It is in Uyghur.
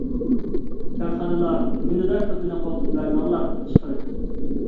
كارخانىلار ئۈندىدار توپىنى قولدىن بەرمەڭلار ئىشقىلىپ.